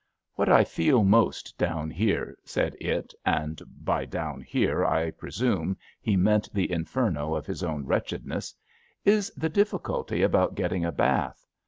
" What I feel most down here,'' said It, and by down here '* I presume he meant the Inferno of his own wretchedness, is the difficulty about getting a bath.